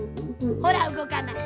ほらうごかない。